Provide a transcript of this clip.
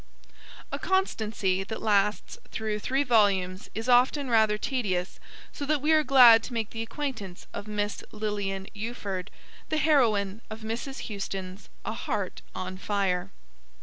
A constancy that lasts through three volumes is often rather tedious, so that we are glad to make the acquaintance of Miss Lilian Ufford, the heroine of Mrs. Houston's A Heart on Fire.